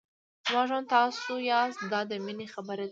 زما ژوند تاسو یاست دا د مینې خبره ده.